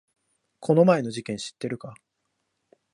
この前の事件知ってるか？